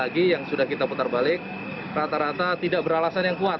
lagi yang sudah kita putar balik rata rata tidak beralasan yang kuat